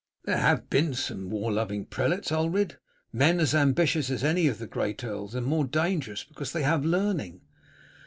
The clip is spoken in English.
"There have been some war loving prelates, Ulred; men as ambitious as any of the great earls, and more dangerous, because they have learning."